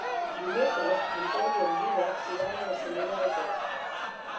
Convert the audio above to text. Dimecres en Pol i en Dídac iran a la Cellera de Ter.